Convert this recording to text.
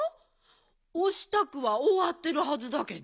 おしたくはおわってるはずだけど？